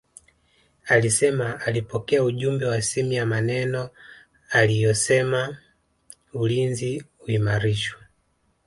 Alisema alipokea ujumbe wa simu ya maneno aliyosema ulinzi uimarishwe